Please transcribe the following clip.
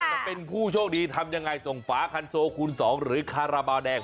จะเป็นผู้โชคดีทำยังไงส่งฝาคันโซคูณ๒หรือคาราบาลแดง